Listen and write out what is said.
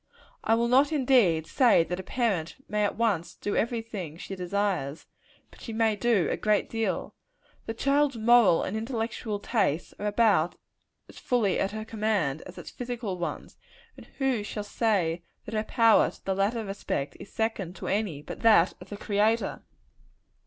I will not, indeed, say that a parent may at once do every thing she desires; but she may do a great deal. The child's moral and intellectual tastes are about as fully at her command, as its physical ones; and who shall say that her power to the latter respect, is second to any but that of the Creator?